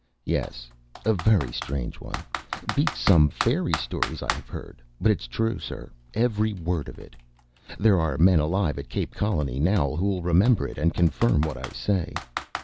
Yes, a very strange one; beats some fairy stories I have heard; but it’s true, sir, every word of it. There are men alive at Cape Colony now who’ll remember it and confirm what I say.